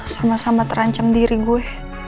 sama sama terancam diri gue